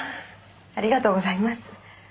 ありがとうございます。